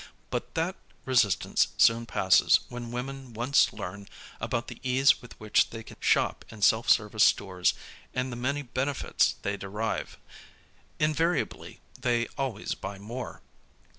But that resistance soon passes when women once learn about the ease with which they can shop in self service stores and the many benefits they derive. Invariably they always buy more.